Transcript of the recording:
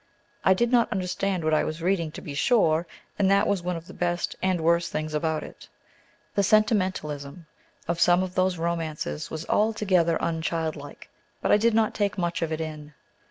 I did not understand what I was reading, to be sure; and that was one of the best and worst things about it. The sentimentalism of some of those romances was altogether unchildlike; but I did not take much of it in.